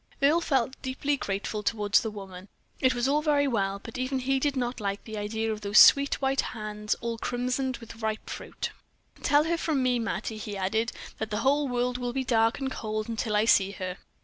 Earle felt deeply grateful toward the woman. It was all very well, but even he did not like the idea of those sweet white hands all crimsoned with ripe fruit. "Tell her from me, Mattie," he added, "that the whole world will be dark and cold until I see her."